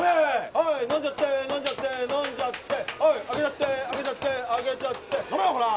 ハイ飲んじゃって飲んじゃって飲んじゃってハイ空けちゃって空けちゃって空けちゃって飲めよほら！